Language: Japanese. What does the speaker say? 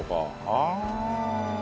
ああ。